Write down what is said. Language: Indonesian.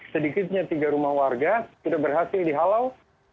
sedikitnya tiga rumah warga sudah berhasil dihalau